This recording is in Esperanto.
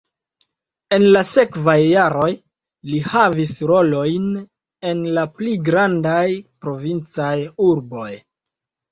En la sekvaj jaroj li havis rolojn en la pli grandaj provincaj urboj.